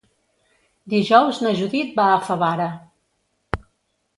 Dijous na Judit va a Favara.